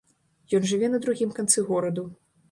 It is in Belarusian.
Ён жыве на другім канцы гораду.